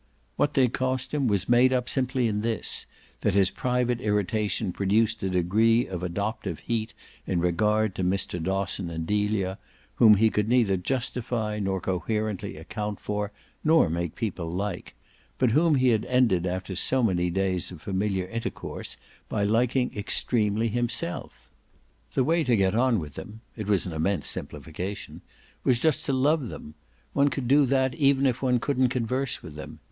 What they cost him was made up simply in this that his private irritation produced a degree of adoptive heat in regard to Mr. Dosson and Delia, whom he could neither justify nor coherently account for nor make people like, but whom he had ended after so many days of familiar intercourse by liking extremely himself. The way to get on with them it was an immense simplification was just to love them: one could do that even if one couldn't converse with them.